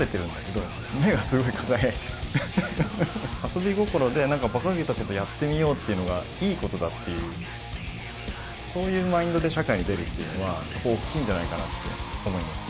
遊び心で何かばかげたことやってみようっていうのがいいことだっていうそういうマインドで社会に出るっていうのは大きいんじゃないかなって思います。